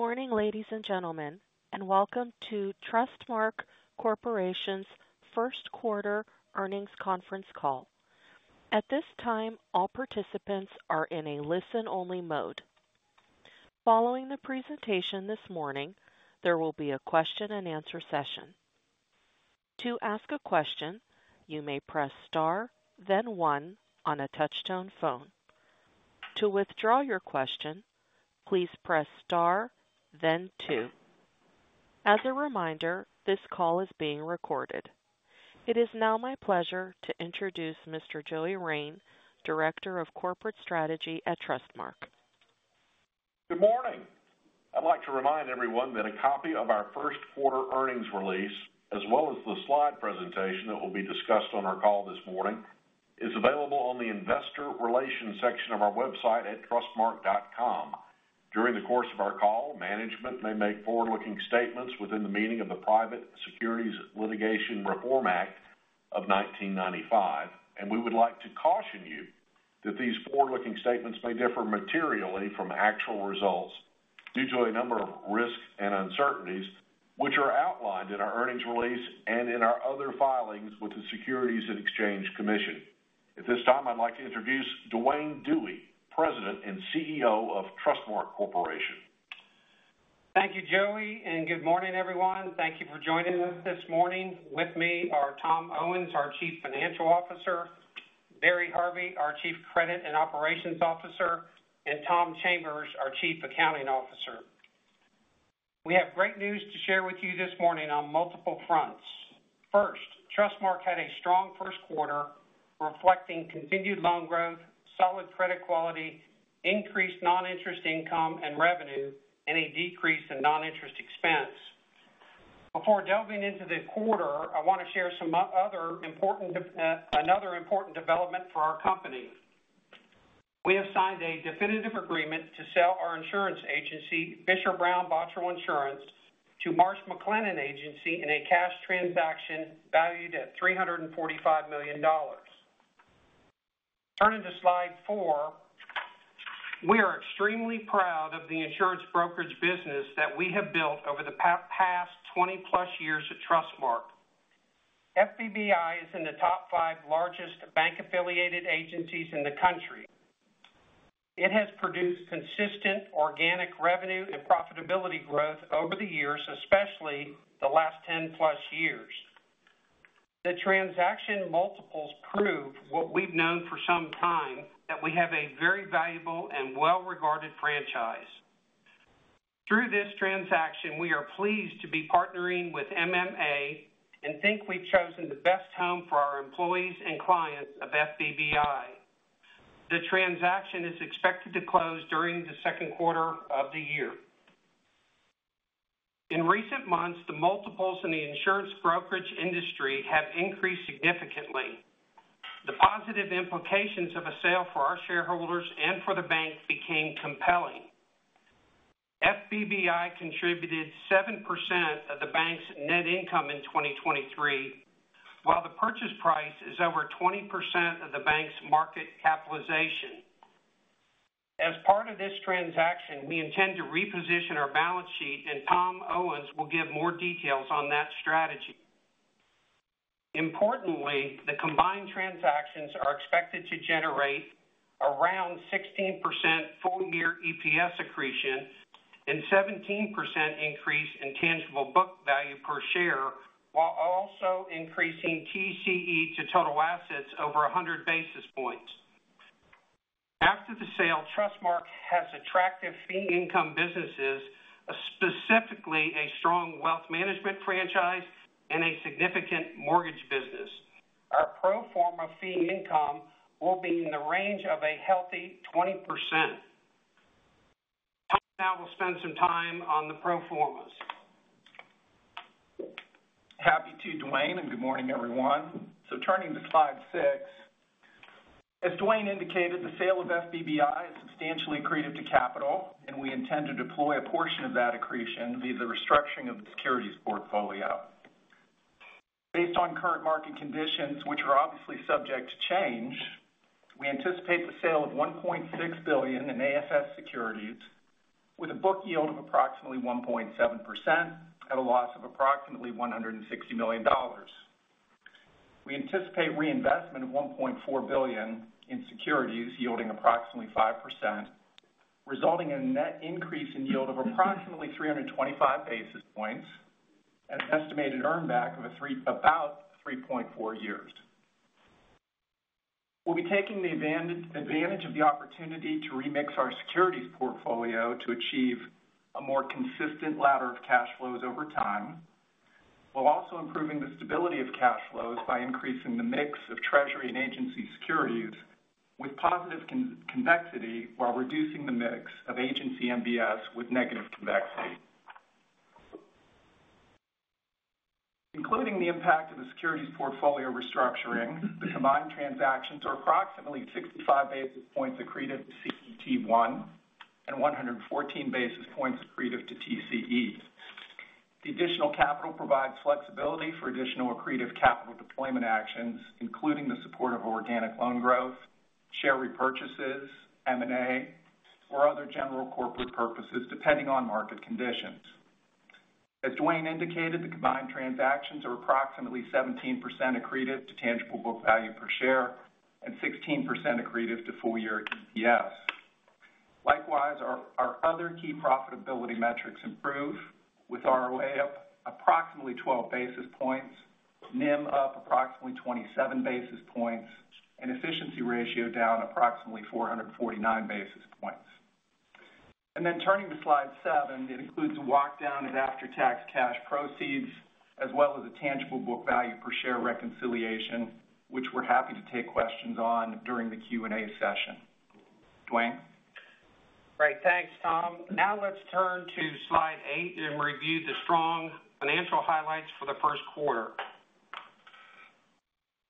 Good morning, ladies and gentlemen, and welcome to Trustmark Corporation's First Quarter Earnings Conference Call. At this time, all participants are in a listen-only mode. Following the presentation this morning, there will be a question-and-answer session. To ask a question, you may press star, then 1 on a touch-tone phone. To withdraw your question, please press star, then 2. As a reminder, this call is being recorded. It is now my pleasure to introduce Mr. Joey Rein, Director of Corporate Strategy at Trustmark. Good morning. I'd like to remind everyone that a copy of our first quarter earnings release, as well as the slide presentation that will be discussed on our call this morning, is available on the investor relations section of our website at trustmark.com. During the course of our call, management may make forward-looking statements within the meaning of the Private Securities Litigation Reform Act of 1995, and we would like to caution you that these forward-looking statements may differ materially from actual results due to a number of risks and uncertainties which are outlined in our earnings release and in our other filings with the Securities and Exchange Commission. At this time, I'd like to introduce Duane Dewey, President and CEO of Trustmark Corporation. Thank you, Joey, and good morning, everyone. Thank you for joining us this morning. With me are Tom Owens, our Chief Financial Officer, Barry Harvey, our Chief Credit and Operations Officer, and Tom Chambers, our Chief Accounting Officer. We have great news to share with you this morning on multiple fronts. First, Trustmark had a strong first quarter reflecting continued loan growth, solid credit quality, increased non-interest income and revenue, and a decrease in non-interest expense. Before delving into the quarter, I want to share some other important development for our company. We have signed a definitive agreement to sell our insurance agency, Fisher Brown Bottrell Insurance, to Marsh McLennan Agency in a cash transaction valued at $345 million. Turning to slide 4, we are extremely proud of the insurance brokerage business that we have built over the past 20+ years at Trustmark. FBBI is in the top five largest bank-affiliated agencies in the country. It has produced consistent organic revenue and profitability growth over the years, especially the last 10+ years. The transaction multiples prove what we've known for some time: that we have a very valuable and well-regarded franchise. Through this transaction, we are pleased to be partnering with MMA and think we've chosen the best home for our employees and clients of FBBI. The transaction is expected to close during the second quarter of the year. In recent months, the multiples in the insurance brokerage industry have increased significantly. The positive implications of a sale for our shareholders and for the bank became compelling. FBBI contributed 7% of the bank's net income in 2023, while the purchase price is over 20% of the bank's market capitalization. As part of this transaction, we intend to reposition our balance sheet, and Tom Owens will give more details on that strategy. Importantly, the combined transactions are expected to generate around 16% full-year EPS accretion and 17% increase in tangible book value per share, while also increasing TCE to total assets over 100 basis points. After the sale, Trustmark has attractive fee income businesses, specifically a strong wealth management franchise and a significant mortgage business. Our pro forma fee income will be in the range of a healthy 20%. Tom now will spend some time on the pro formas. Happy to, Duane, and good morning, everyone. So turning to slide 6. As Duane indicated, the sale of FBBI is substantially accretive to capital, and we intend to deploy a portion of that accretion via the restructuring of the securities portfolio. Based on current market conditions, which are obviously subject to change, we anticipate the sale of $1.6 billion in AFS securities with a book yield of approximately 1.7% at a loss of approximately $160 million. We anticipate reinvestment of $1.4 billion in securities yielding approximately 5%, resulting in a net increase in yield of approximately 325 basis points and an estimated earnback of about 3.4 years. We'll be taking the advantage of the opportunity to remix our securities portfolio to achieve a more consistent ladder of cash flows over time, while also improving the stability of cash flows by increasing the mix of Treasury and agency securities with positive convexity while reducing the mix of agency MBS with negative convexity. Including the impact of the securities portfolio restructuring, the combined transactions are approximately 65 basis points accretive to CET1 and 114 basis points accretive to TCE. The additional capital provides flexibility for additional accretive capital deployment actions, including the support of organic loan growth, share repurchases, M&A, or other general corporate purposes depending on market conditions. As Duane indicated, the combined transactions are approximately 17% accretive to tangible book value per share and 16% accretive to full-year EPS. Likewise, our other key profitability metrics improve, with ROA up approximately 12 basis points, NIM up approximately 27 basis points, and efficiency ratio down approximately 449 basis points. And then turning to slide 7, it includes a walkdown of after-tax cash proceeds as well as a tangible book value per share reconciliation, which we're happy to take questions on during the Q&A session. Duane? Great. Thanks, Tom. Now let's turn to slide 8 and review the strong financial highlights for the first quarter.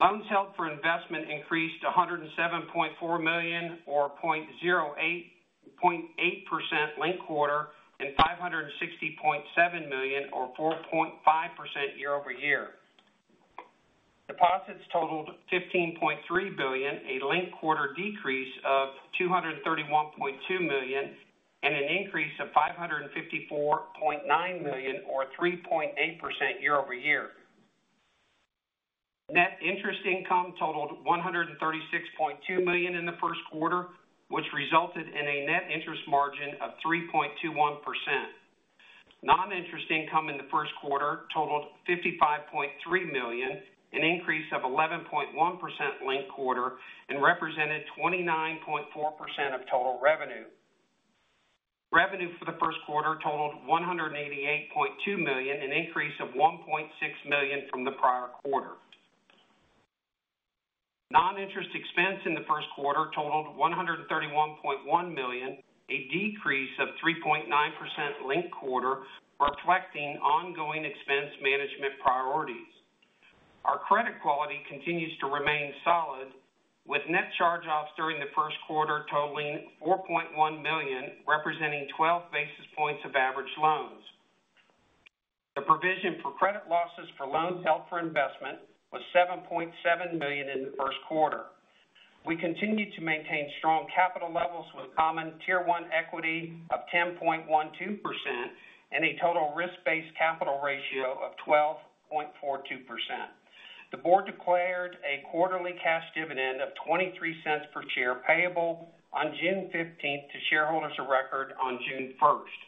Loans held for investment increased $107.4 million, or 0.08% linked-quarter, and $560.7 million, or 4.5% year-over-year. Deposits totaled $15.3 billion, a linked-quarter decrease of $231.2 million, and an increase of $554.9 million, or 3.8% year-over-year. Net interest income totaled $136.2 million in the first quarter, which resulted in a net interest margin of 3.21%. Non-interest income in the first quarter totaled $55.3 million, an increase of 11.1% linked-quarter, and represented 29.4% of total revenue. Revenue for the first quarter totaled $188.2 million, an increase of $1.6 million from the prior quarter. Non-interest expense in the first quarter totaled $131.1 million, a decrease of 3.9% linked-quarter, reflecting ongoing expense management priorities. Our credit quality continues to remain solid, with net charge-offs during the first quarter totaling $4.1 million, representing 12 basis points of average loans. The provision for credit losses for loans held for investment was $7.7 million in the first quarter. We continue to maintain strong capital levels with common Tier 1 equity of 10.12% and a total risk-based capital ratio of 12.42%. The board declared a quarterly cash dividend of $0.23 per share payable on June 15th to shareholders of record on June 1st.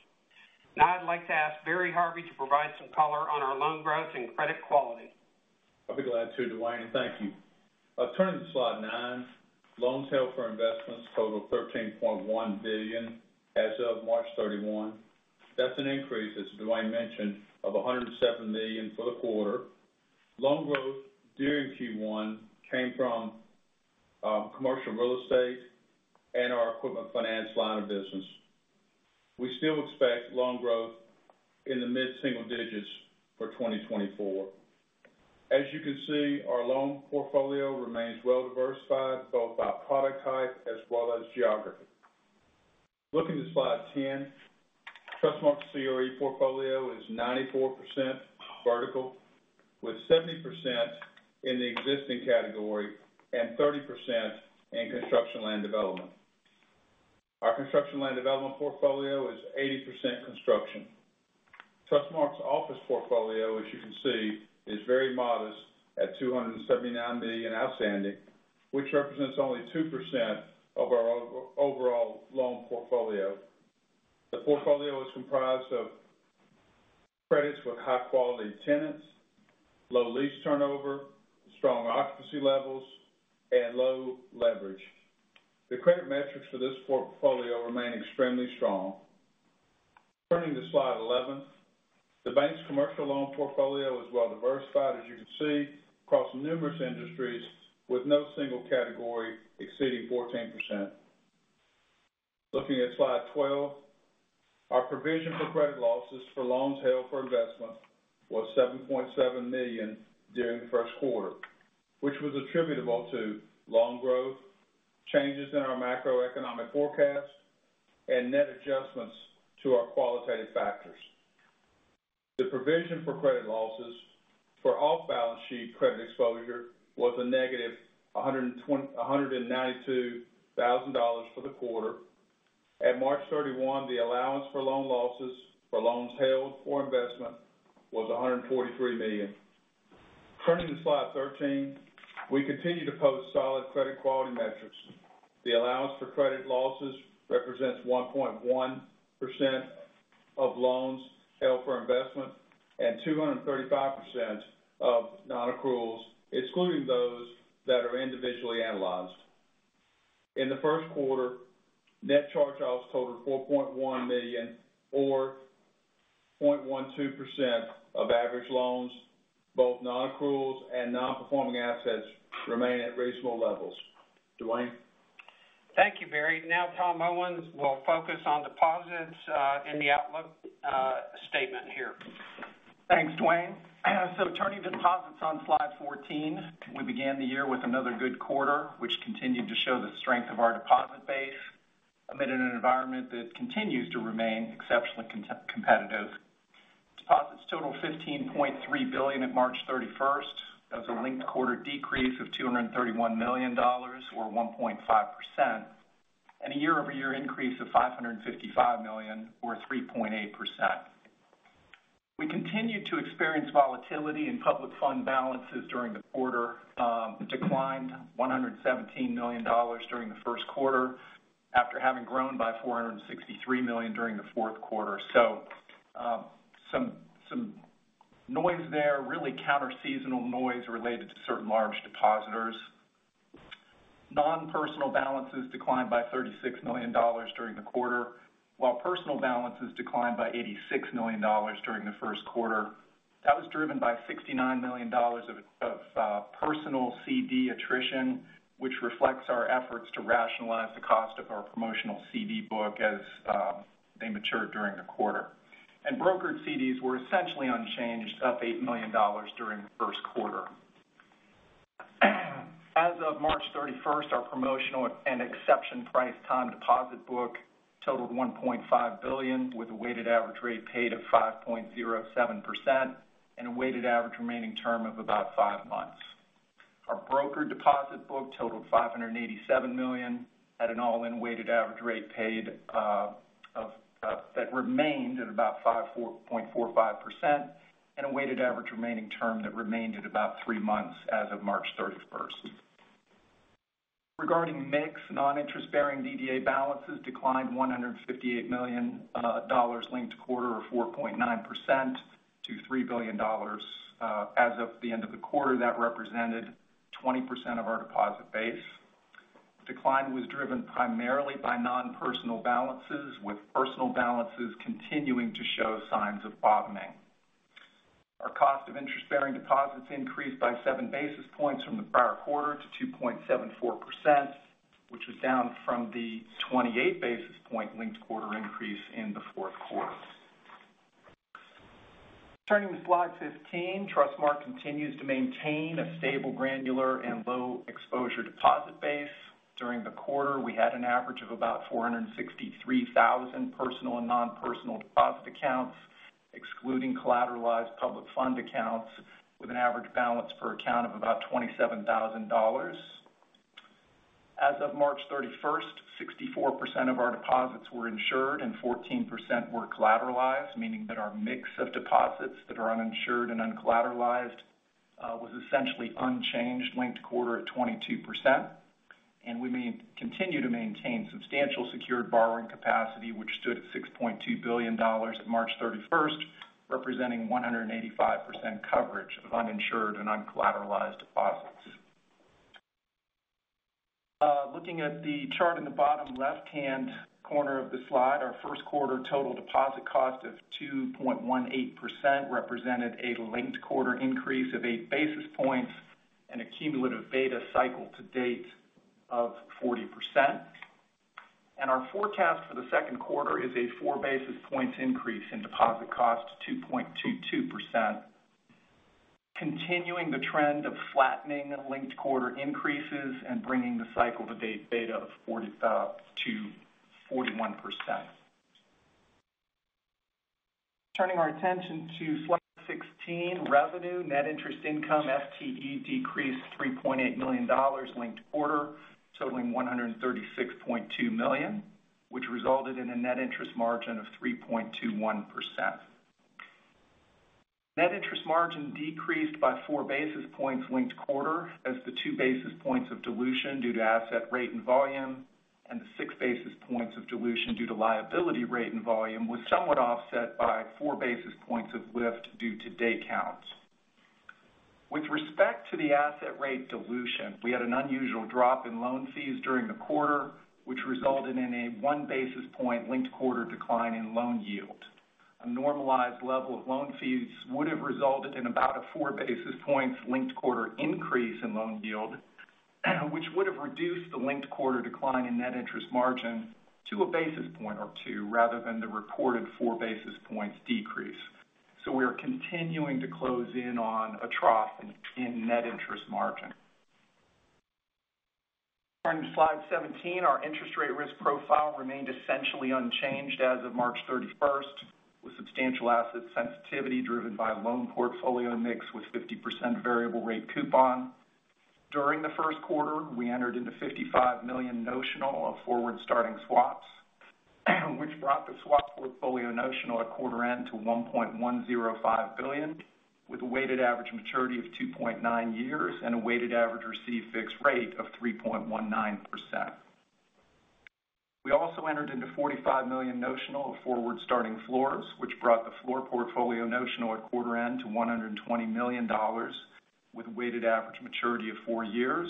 Now I'd like to ask Barry Harvey to provide some color on our loan growth and credit quality. I'll be glad to, Duane, and thank you. Turning to slide 9, loans held for investments totaled $13.1 billion as of March 31. That's an increase, as Duane mentioned, of $107 million for the quarter. Loan growth during Q1 came from commercial real estate and our equipment finance line of business. We still expect loan growth in the mid-single digits for 2024. As you can see, our loan portfolio remains well-diversified both by product type as well as geography. Looking to slide 10, Trustmark's CRE portfolio is 94% vertical, with 70% in the existing category and 30% in construction land development. Our construction land development portfolio is 80% construction. Trustmark's office portfolio, as you can see, is very modest at $279 million outstanding, which represents only 2% of our overall loan portfolio. The portfolio is comprised of credits with high-quality tenants, low lease turnover, strong occupancy levels, and low leverage. The credit metrics for this portfolio remain extremely strong. Turning to slide 11, the bank's commercial loan portfolio is well-diversified, as you can see, across numerous industries with no single category exceeding 14%. Looking at slide 12, our provision for credit losses for loans held for investment was $7.7 million during the first quarter, which was attributable to loan growth, changes in our macroeconomic forecast, and net adjustments to our qualitative factors. The provision for credit losses for off-balance sheet credit exposure was -$192,000 for the quarter. At March 31, the allowance for loan losses for loans held for investment was $143 million. Turning to slide 13, we continue to post solid credit quality metrics. The allowance for credit losses represents 1.1% of loans held for investment and 235% of non-accruals, excluding those that are individually analyzed. In the first quarter, net charge-offs totaled $4.1 million, or 0.12% of average loans. Both non-accruals and non-performing assets remain at reasonable levels. Duane? Thank you, Barry. Now Tom Owens will focus on deposits in the outlook statement here. Thanks, Duane. So turning to deposits on slide 14, we began the year with another good quarter, which continued to show the strength of our deposit base amid an environment that continues to remain exceptionally competitive. Deposits totaled $15.3 billion at March 31st, as a linked-quarter decrease of $231 million, or 1.5%, and a year-over-year increase of $555 million, or 3.8%. We continued to experience volatility in public fund balances during the quarter, declined $117 million during the first quarter after having grown by $463 million during the fourth quarter. So some noise there, really counter-seasonal noise related to certain large depositors. Non-personal balances declined by $36 million during the quarter, while personal balances declined by $86 million during the first quarter. That was driven by $69 million of personal CD attrition, which reflects our efforts to rationalize the cost of our promotional CD book as they matured during the quarter. Brokered CDs were essentially unchanged, up $8 million during the first quarter. As of March 31st, our promotional and exception-priced time deposit book totaled $1.5 billion, with a weighted average rate paid of 5.07% and a weighted average remaining term of about 5 months. Our brokered deposit book totaled $587 million at an all-in weighted average rate paid that remained at about 5.45% and a weighted average remaining term that remained at about 3 months as of March 31st. Regarding mix, non-interest-bearing DDA balances declined $158 million linked quarter, or 4.9%, to $3 billion. As of the end of the quarter, that represented 20% of our deposit base. Decline was driven primarily by non-personal balances, with personal balances continuing to show signs of bottoming. Our cost of interest-bearing deposits increased by 7 basis points from the prior quarter to 2.74%, which was down from the 28 basis points linked quarter increase in the fourth quarter. Turning to slide 15, Trustmark continues to maintain a stable, granular, and low-exposure deposit base. During the quarter, we had an average of about 463,000 personal and non-personal deposit accounts, excluding collateralized public fund accounts, with an average balance per account of about $27,000. As of March 31, 64% of our deposits were insured and 14% were collateralized, meaning that our mix of deposits that are uninsured and uncollateralized was essentially unchanged linked quarter at 22%. We continue to maintain substantial secured borrowing capacity, which stood at $6.2 billion at March 31st, representing 185% coverage of uninsured and uncollateralized deposits. Looking at the chart in the bottom left-hand corner of the slide, our first quarter total deposit cost of 2.18% represented a linked quarter increase of 8 basis points and accumulative beta cycle to date of 40%. And our forecast for the second quarter is a 4 basis points increase in deposit cost to 2.22%, continuing the trend of flattening linked quarter increases and bringing the cycle to date beta to 41%. Turning our attention to slide 16, revenue, net interest income, FTE decreased $3.8 million linked quarter, totaling $136.2 million, which resulted in a net interest margin of 3.21%. Net interest margin decreased by 4 basis points linked quarter as the 2 basis points of dilution due to asset rate and volume, and the 6 basis points of dilution due to liability rate and volume was somewhat offset by 4 basis points of lift due to day counts. With respect to the asset rate dilution, we had an unusual drop in loan fees during the quarter, which resulted in a 1 basis point linked quarter decline in loan yield. A normalized level of loan fees would have resulted in about a 4 basis points linked quarter increase in loan yield, which would have reduced the linked quarter decline in net interest margin to a basis point or 2 rather than the reported 4 basis points decrease. So we are continuing to close in on a trough in net interest margin. Turning to slide 17, our interest rate risk profile remained essentially unchanged as of March 31, with substantial asset sensitivity driven by loan portfolio mix with 50% variable rate coupon. During the first quarter, we entered into $55 million notional of forward starting swaps, which brought the swap portfolio notional at quarter end to $1.105 billion, with a weighted average maturity of 2.9 years and a weighted average receive fixed rate of 3.19%. We also entered into $45 million notional of forward starting floors, which brought the floor portfolio notional at quarter end to $120 million, with a weighted average maturity of 4 years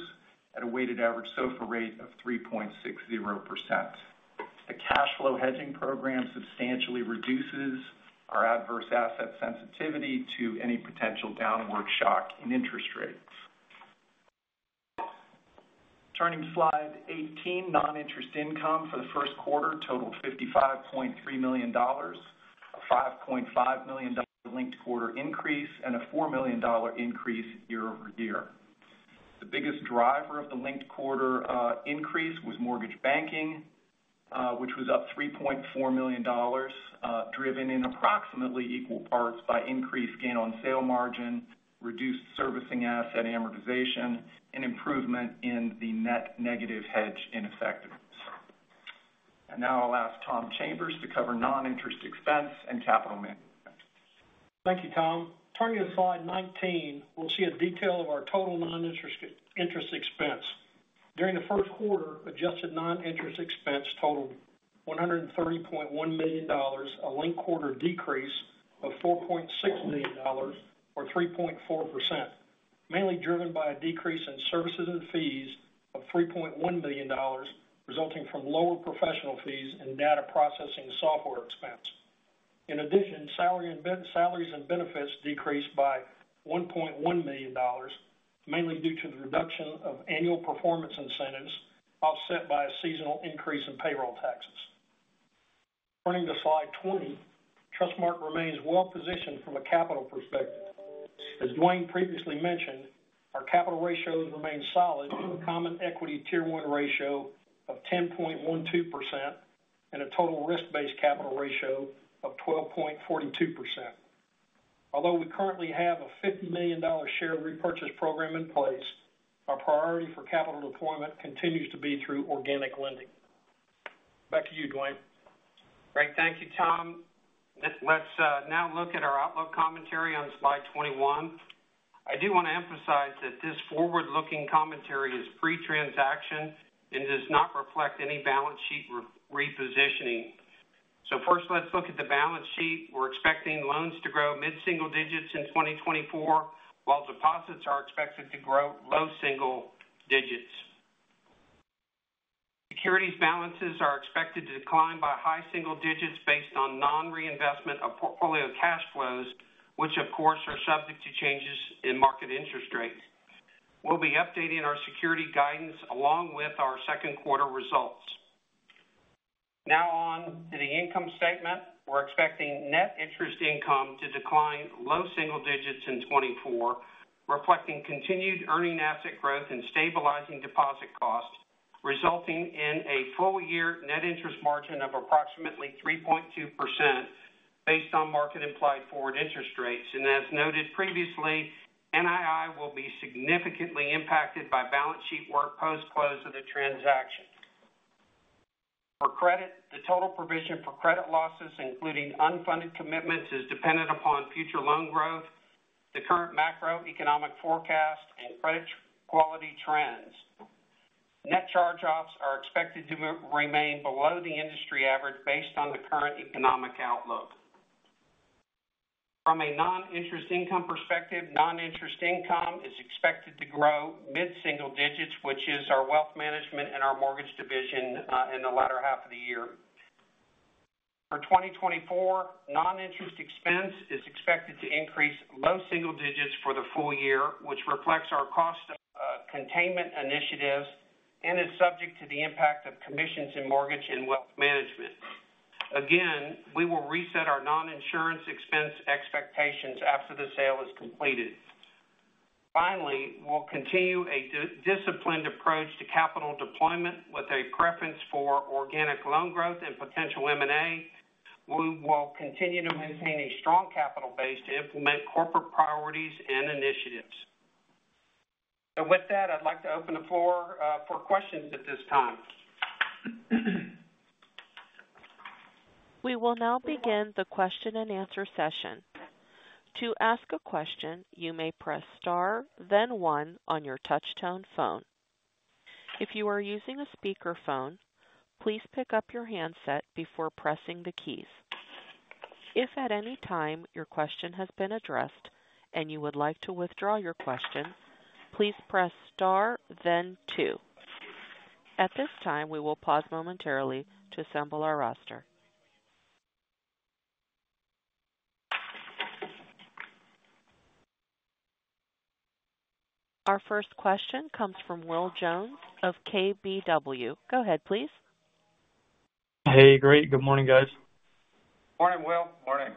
at a weighted average SOFR rate of 3.60%. The cash flow hedging program substantially reduces our adverse asset sensitivity to any potential downward shock in interest rates. Turning to slide 18, non-interest income for the first quarter totaled $55.3 million, a $5.5 million linked quarter increase, and a $4 million increase year-over-year. The biggest driver of the linked quarter increase was mortgage banking, which was up $3.4 million, driven in approximately equal parts by increased gain on sale margin, reduced servicing asset amortization, and improvement in the net negative hedge ineffectiveness. And now I'll ask Tom Chambers to cover non-interest expense and capital management. Thank you, Tom. Turning to slide 19, we'll see a detail of our total non-interest expense. During the first quarter, adjusted non-interest expense totaled $130.1 million, a linked quarter decrease of $4.6 million, or 3.4%, mainly driven by a decrease in services and fees of $3.1 million, resulting from lower professional fees and data processing software expense. In addition, salaries and benefits decreased by $1.1 million, mainly due to the reduction of annual performance incentives offset by a seasonal increase in payroll taxes. Turning to slide 20, Trustmark remains well-positioned from a capital perspective. As Duane previously mentioned, our capital ratios remain solid, with a Common Equity Tier 1 ratio of 10.12% and a total risk-based capital ratio of 12.42%. Although we currently have a $50 million share repurchase program in place, our priority for capital deployment continues to be through organic lending. Back to you, Duane. Great. Thank you, Tom. Let's now look at our outlook commentary on slide 21. I do want to emphasize that this forward-looking commentary is pre-transaction and does not reflect any balance sheet repositioning. So first, let's look at the balance sheet. We're expecting loans to grow mid-single digits in 2024, while deposits are expected to grow low single digits. Securities balances are expected to decline by high single digits based on non-reinvestment of portfolio cash flows, which, of course, are subject to changes in market interest rates. We'll be updating our security guidance along with our second quarter results. Now on to the income statement. We're expecting net interest income to decline low single digits in 2024, reflecting continued earning asset growth and stabilizing deposit costs, resulting in a full-year net interest margin of approximately 3.2% based on market-implied forward interest rates. As noted previously, NII will be significantly impacted by balance sheet work post-close of the transaction. For credit, the total provision for credit losses, including unfunded commitments, is dependent upon future loan growth, the current macroeconomic forecast, and credit quality trends. Net charge-offs are expected to remain below the industry average based on the current economic outlook. From a non-interest income perspective, non-interest income is expected to grow mid-single digits, which is our wealth management and our mortgage division in the latter half of the year. For 2024, non-interest expense is expected to increase low single digits for the full year, which reflects our cost containment initiatives and is subject to the impact of commissions in mortgage and wealth management. Again, we will reset our non-insurance expense expectations after the sale is completed. Finally, we'll continue a disciplined approach to capital deployment with a preference for organic loan growth and potential M&A. We will continue to maintain a strong capital base to implement corporate priorities and initiatives. So with that, I'd like to open the floor for questions at this time. We will now begin the question-and-answer session. To ask a question, you may press star, then one on your touch-tone phone. If you are using a speakerphone, please pick up your handset before pressing the keys. If at any time your question has been addressed and you would like to withdraw your question, please press star, then two. At this time, we will pause momentarily to assemble our roster. Our first question comes from Will Jones of KBW. Go ahead, please. Hey, great. Good morning, guys. Morning, Will. Morning.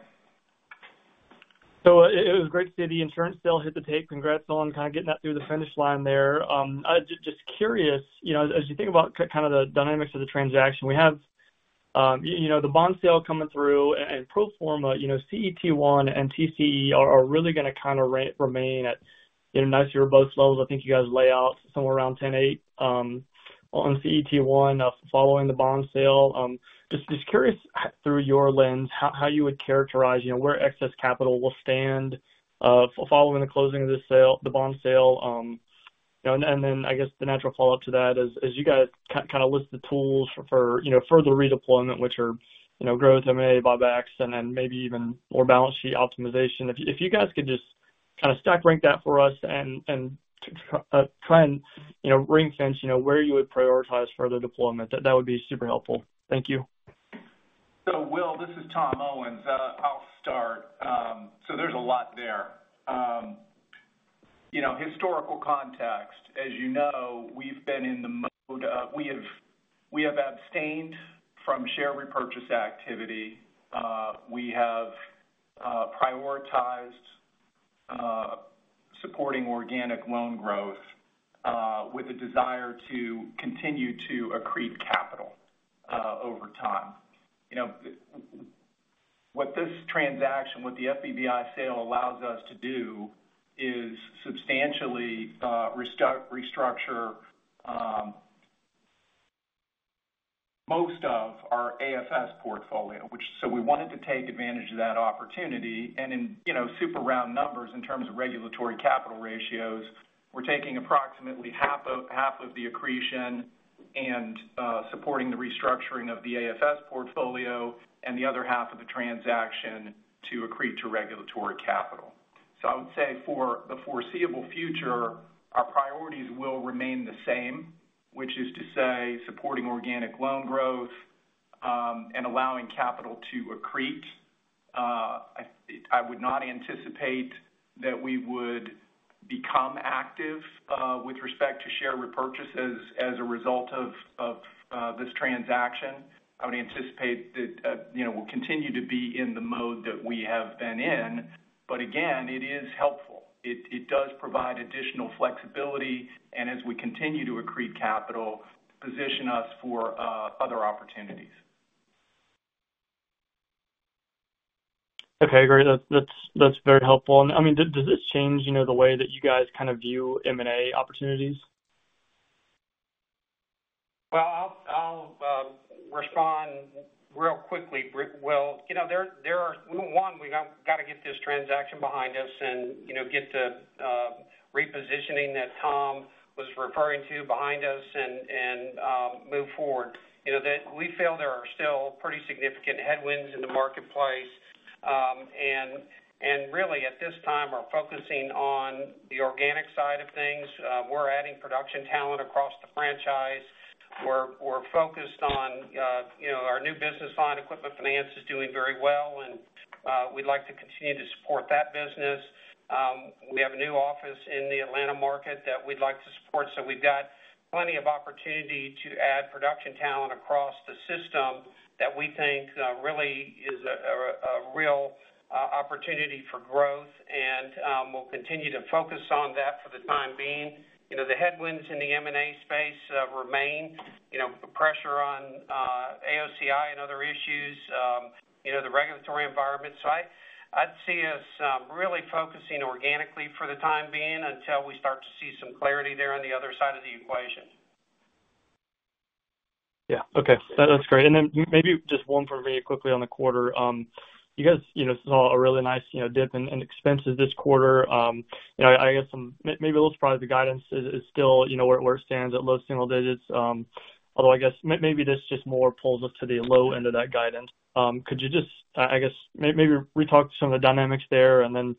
So it was great to see the insurance sale hit the tape. Congrats on kind of getting that through the finish line there. I was just curious, as you think about kind of the dynamics of the transaction, we have the bond sale coming through, and pro forma, CET1 and TCE are really going to kind of remain at nice robust levels. I think you guys lay out somewhere around 10.8% on CET1 following the bond sale. Just curious, through your lens, how you would characterize where excess capital will stand following the closing of the bond sale. And then I guess the natural follow-up to that is you guys kind of list the tools for further redeployment, which are growth M&A, buybacks, and then maybe even more balance sheet optimization. If you guys could just kind of stack rank that for us and try and ring-fence where you would prioritize further deployment, that would be super helpful. Thank you. So Will, this is Tom Owens. I'll start. So there's a lot there. Historical context, as you know, we've been in the mode we have abstained from share repurchase activity. We have prioritized supporting organic loan growth with a desire to continue to accrete capital over time. What this transaction, what the FBBI sale allows us to do is substantially restructure most of our AFS portfolio. So we wanted to take advantage of that opportunity. And in super round numbers, in terms of regulatory capital ratios, we're taking approximately half of the accretion and supporting the restructuring of the AFS portfolio and the other half of the transaction to accrete to regulatory capital. So I would say for the foreseeable future, our priorities will remain the same, which is to say supporting organic loan growth and allowing capital to accrete. I would not anticipate that we would become active with respect to share repurchase as a result of this transaction. I would anticipate that we'll continue to be in the mode that we have been in. But again, it is helpful. It does provide additional flexibility. And as we continue to accrete capital, position us for other opportunities. Okay, great. That's very helpful. I mean, does this change the way that you guys kind of view M&A opportunities? Well, I'll respond real quickly. Well, number one, we've got to get this transaction behind us and get the repositioning that Tom was referring to behind us and move forward. We feel there are still pretty significant headwinds in the marketplace. And really, at this time, we're focusing on the organic side of things. We're adding production talent across the franchise. We're focused on our new business line equipment finance is doing very well, and we'd like to continue to support that business. We have a new office in the Atlanta market that we'd like to support. So we've got plenty of opportunity to add production talent across the system that we think really is a real opportunity for growth. And we'll continue to focus on that for the time being. The headwinds in the M&A space remain. Pressure on AOCI and other issues, the regulatory environment. I'd see us really focusing organically for the time being until we start to see some clarity there on the other side of the equation. Yeah, okay. That's great. And then maybe just one very quickly on the quarter. You guys saw a really nice dip in expenses this quarter. I guess maybe a little surprised the guidance is still where it stands at low single digits. Although I guess maybe this just more pulls us to the low end of that guidance. Could you just, I guess, maybe retalk to some of the dynamics there and then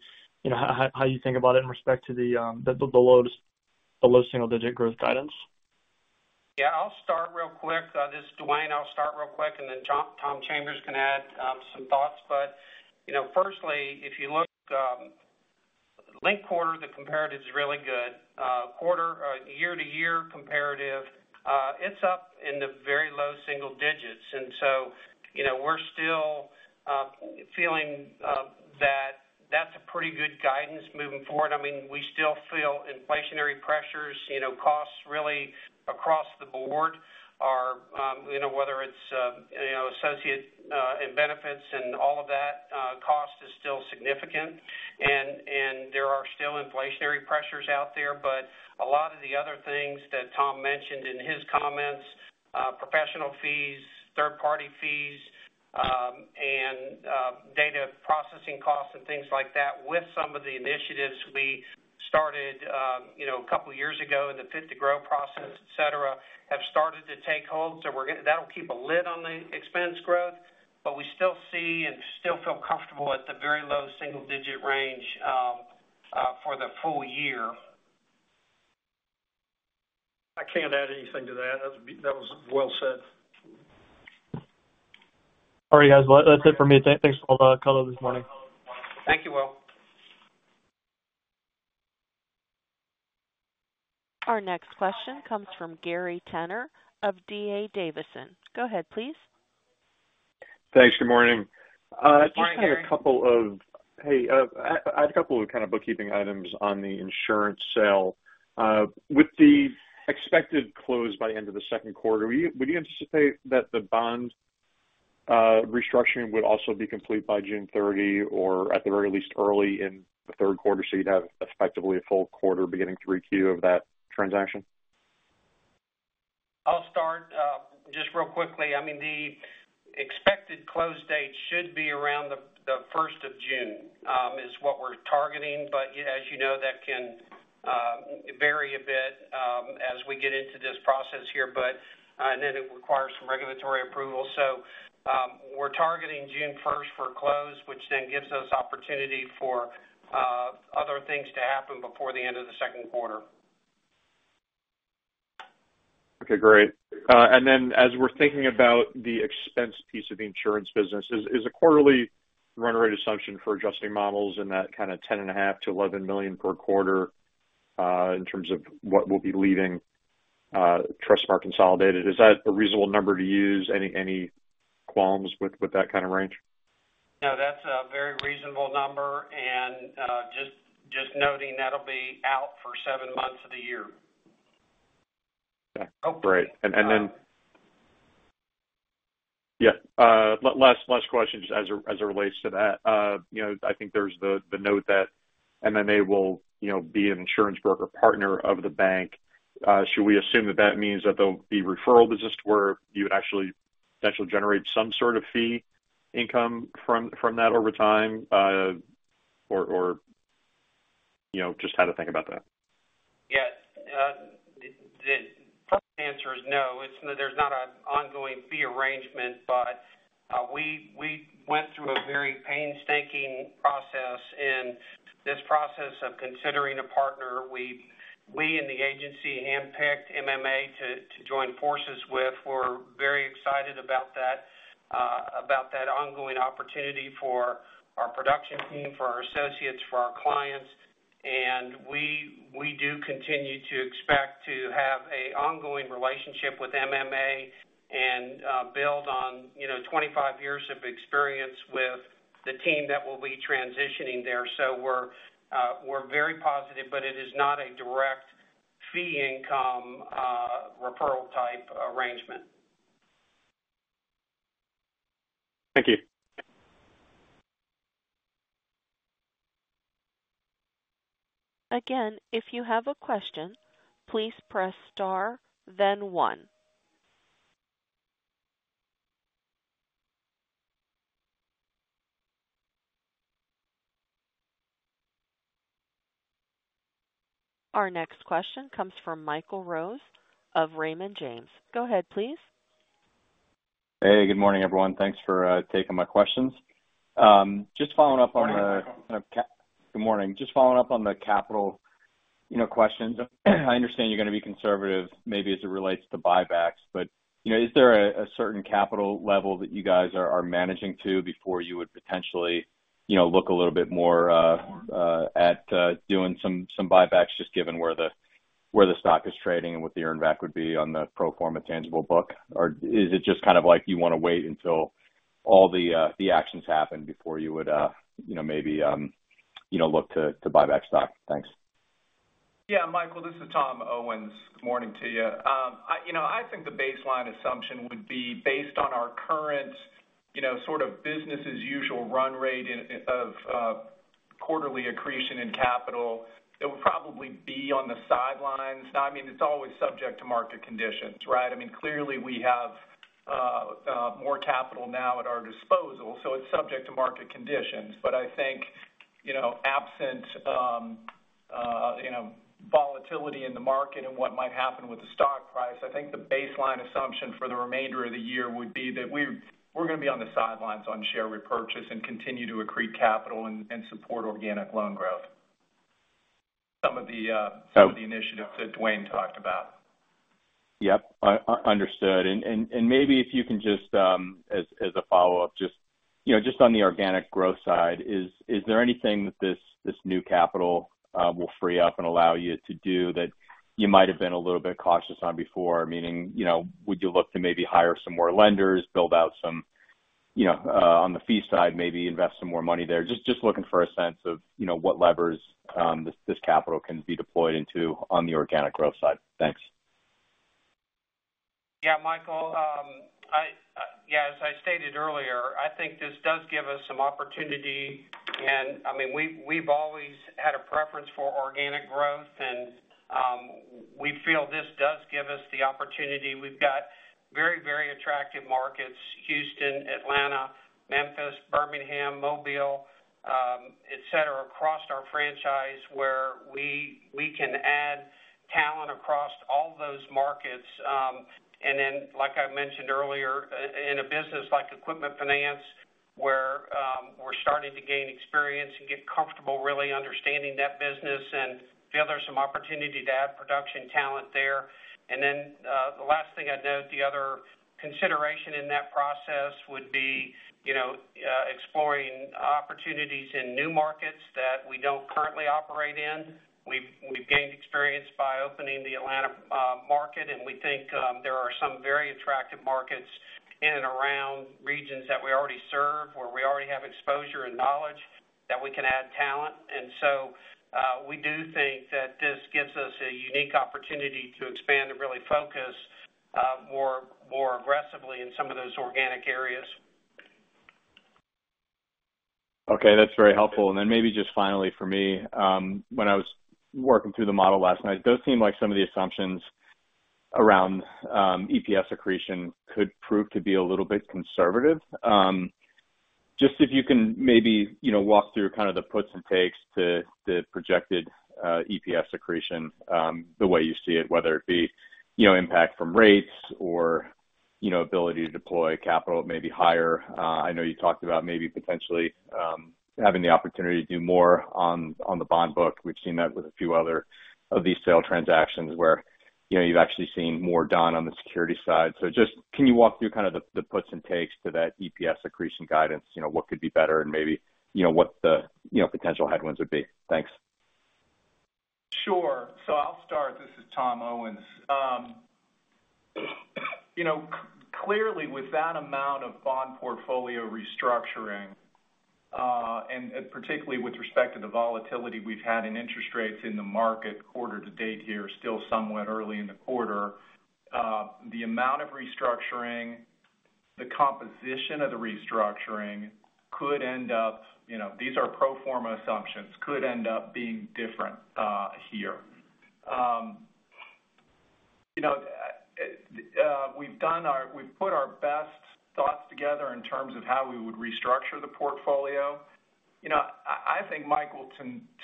how you think about it in respect to the low single digit growth guidance? Yeah, I'll start real quick. This is Duane. I'll start real quick, and then Tom Chambers can add some thoughts. But firstly, if you look, linked-quarter comparative is really good. Year-over-year comparative, it's up in the very low single digits. And so we're still feeling that that's a pretty good guidance moving forward. I mean, we still feel inflationary pressures, costs really across the board, whether it's associate and benefits and all of that, cost is still significant. And there are still inflationary pressures out there. But a lot of the other things that Tom mentioned in his comments, professional fees, third-party fees, and data processing costs and things like that, with some of the initiatives we started a couple of years ago in the Fit to Grow process, etc., have started to take hold. So that'll keep a lid on the expense growth. But we still see and still feel comfortable at the very low single digit range for the full year. I can't add anything to that. That was well said. All right, guys. That's it for me. Thanks for all the color this morning. Thank you, Will. Our next question comes from Gary Tenner of D.A. Davidson. Go ahead, please. Thanks. Good morning. I just had a couple of kind of bookkeeping items on the insurance sale. With the expected close by the end of the second quarter, would you anticipate that the bond restructuring would also be complete by June 30 or at the very least early in the third quarter? So you'd have effectively a full quarter beginning 3Q of that transaction? I'll start just really quickly. I mean, the expected close date should be around the 1st of June is what we're targeting. But as you know, that can vary a bit as we get into this process here, and then it requires some regulatory approval. So we're targeting June 1st for close, which then gives us opportunity for other things to happen before the end of the second quarter. Okay, great. And then as we're thinking about the expense piece of the insurance business, is a quarterly run rate assumption for adjusting models in that kind of $10.5 million-$11 million per quarter in terms of what will be leaving Trustmark Consolidated? Is that a reasonable number to use? Any qualms with that kind of range? No, that's a very reasonable number. Just noting that'll be out for seven months of the year. Okay, great. And then yeah, last question just as it relates to that. I think there's the note that. And then they will be an insurance broker partner of the bank. Should we assume that that means that they'll be referral business where you would actually potentially generate some sort of fee income from that over time? Or just how to think about that? Yeah. The answer is no. There's not an ongoing rearrangement. But we went through a very painstaking process. And this process of considering a partner, we and the agency handpicked MMA to join forces with. We're very excited about that ongoing opportunity for our production team, for our associates, for our clients. And we do continue to expect to have an ongoing relationship with MMA and build on 25 years of experience with the team that will be transitioning there. So we're very positive. But it is not a direct fee income referral type arrangement. Thank you. Again, if you have a question, please press star, then one. Our next question comes from Michael Rose of Raymond James. Go ahead, please. Hey, good morning, everyone. Thanks for taking my questions. Just following up on the capital questions. I understand you're going to be conservative, maybe as it relates to buybacks. But is there a certain capital level that you guys are managing to before you would potentially look a little bit more at doing some buybacks, just given where the stock is trading and what the earnback would be on the pro forma tangible book? Or is it just kind of like you want to wait until all the actions happen before you would maybe look to buyback stock? Thanks. Yeah, Michael, this is Tom Owens. Good morning to you. I think the baseline assumption would be based on our current sort of business-as-usual run rate of quarterly accretion in capital. It would probably be on the sidelines. Now, I mean, it's always subject to market conditions, right? I mean, clearly, we have more capital now at our disposal. So it's subject to market conditions. But I think absent volatility in the market and what might happen with the stock price, I think the baseline assumption for the remainder of the year would be that we're going to be on the sidelines on share repurchase and continue to accrete capital and support organic loan growth, some of the initiatives that Duane talked about. Yep, understood. Maybe if you can just, as a follow-up, just on the organic growth side, is there anything that this new capital will free up and allow you to do that you might have been a little bit cautious on before? Meaning, would you look to maybe hire some more lenders, build out some on the fee side, maybe invest some more money there? Just looking for a sense of what levers this capital can be deployed into on the organic growth side. Thanks. Yeah, Michael. Yeah, as I stated earlier, I think this does give us some opportunity. And I mean, we've always had a preference for organic growth. And we feel this does give us the opportunity. We've got very, very attractive markets: Houston, Atlanta, Memphis, Birmingham, Mobile, etc., across our franchise where we can add talent across all those markets. And then, like I mentioned earlier, in a business like equipment finance, where we're starting to gain experience and get comfortable really understanding that business and feel there's some opportunity to add production talent there. And then the last thing I'd note, the other consideration in that process would be exploring opportunities in new markets that we don't currently operate in. We've gained experience by opening the Atlanta market. We think there are some very attractive markets in and around regions that we already serve, where we already have exposure and knowledge that we can add talent. So we do think that this gives us a unique opportunity to expand and really focus more aggressively in some of those organic areas. Okay, that's very helpful. And then maybe just finally for me, when I was working through the model last night, it does seem like some of the assumptions around EPS accretion could prove to be a little bit conservative. Just if you can maybe walk through kind of the puts and takes to the projected EPS accretion, the way you see it, whether it be impact from rates or ability to deploy capital maybe higher. I know you talked about maybe potentially having the opportunity to do more on the bond book. We've seen that with a few other of these sale transactions where you've actually seen more done on the security side. So just can you walk through kind of the puts and takes to that EPS accretion guidance? What could be better and maybe what the potential headwinds would be? Thanks. Sure. So I'll start. This is Tom Owens. Clearly, with that amount of bond portfolio restructuring, and particularly with respect to the volatility we've had in interest rates in the market quarter to date here, still somewhat early in the quarter, the amount of restructuring, the composition of the restructuring could end up. These are pro forma assumptions, could end up being different here. We've put our best thoughts together in terms of how we would restructure the portfolio. I think, Michael,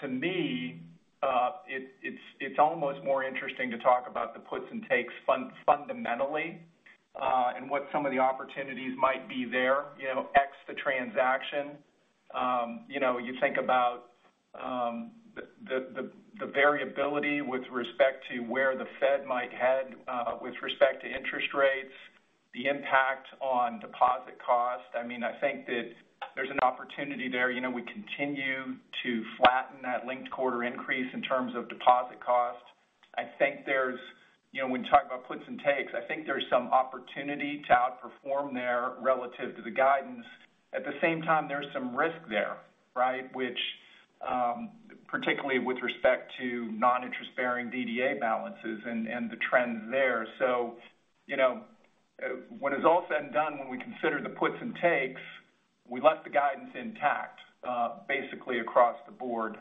to me, it's almost more interesting to talk about the puts and takes fundamentally and what some of the opportunities might be there, ex the transaction. You think about the variability with respect to where the Fed might head with respect to interest rates, the impact on deposit cost. I mean, I think that there's an opportunity there. We continue to flatten that linked quarter increase in terms of deposit cost. I think there's when talking about puts and takes, I think there's some opportunity to outperform there relative to the guidance. At the same time, there's some risk there, right, particularly with respect to non-interest-bearing DDA balances and the trends there. So what is often done when we consider the puts and takes, we let the guidance intact basically across the board.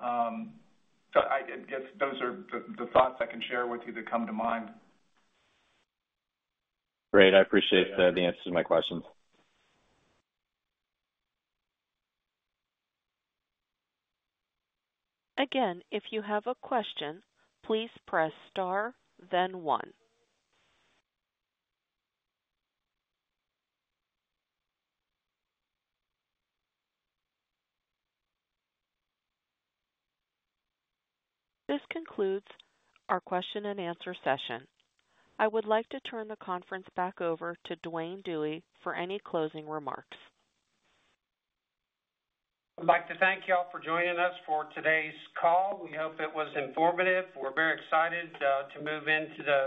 So I guess those are the thoughts I can share with you that come to mind. Great. I appreciate the answers to my questions. Again, if you have a question, please press star, then one. This concludes our question-and-answer session. I would like to turn the conference back over to Duane Dewey for any closing remarks. I'd like to thank you all for joining us for today's call. We hope it was informative. We're very excited to move into the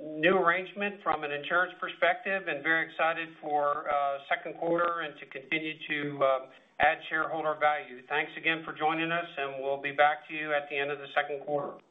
new arrangement from an insurance perspective and very excited for second quarter and to continue to add shareholder value. Thanks again for joining us, and we'll be back to you at the end of the second quarter.